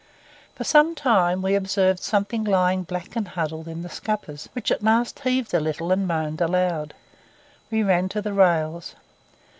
For some time we observed something lying black and huddled in the scuppers, which at last heaved a little and moaned aloud. We ran to the rails.